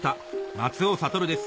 松尾諭です